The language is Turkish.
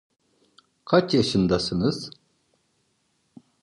Kaç yaşındasınız?